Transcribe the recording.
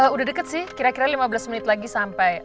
udah deket sih kira kira lima belas menit lagi sampai